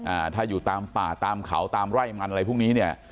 อ่าถ้าอยู่ตามป่าตามเขาตามไร่มันอะไรพวกนี้เนี่ย